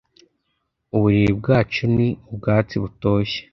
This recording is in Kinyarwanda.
uburiri bwacu ni ubwatsi butoshye